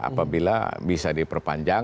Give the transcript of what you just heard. apabila bisa diperpanjang